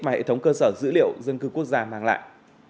mà hệ thống cơ sở dữ liệu dân cư quốc gia mang lại